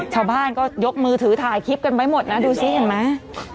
ชาวบ้านก็ยกมือถือถ่ายคลิปกันไว้หมดนะดูสิเห็นไหม